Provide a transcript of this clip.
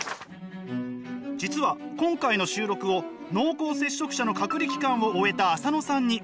実は今回の収録を濃厚接触者の隔離期間を終えた浅野さんに見ていただいています。